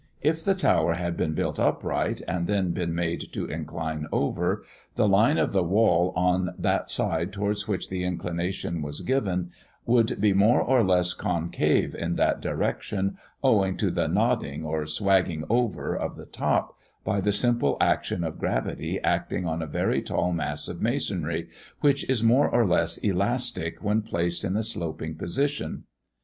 If the tower had been built upright, and then been made to incline over, the line of the wall on that side towards which the inclination was given, would be more or less concave in that direction, owing to the nodding or "swagging over" of the top, by the simple action of gravity acting on a very tall mass of masonry, which is more or less elastic when placed in a sloping position.